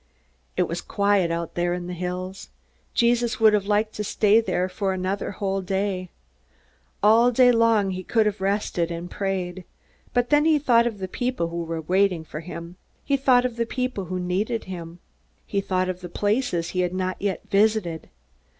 It was quiet out there in the hills. Jesus would have liked to stay there for the whole day. All day long he could have rested and prayed. But then he thought of the people who were waiting for him. He thought of the people who needed him. He thought of the places he had not yet visited.